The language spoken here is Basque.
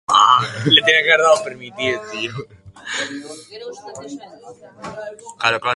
Marokoko espedizio bat gidatu eta Tetuan hartu zuen.